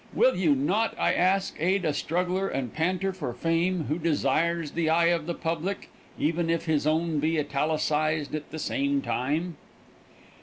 Will you not, I ask, aid a struggler and panter for fame, who desires the eye of the public, even if his own be italicised at the same time?